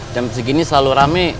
jam segini selalu rame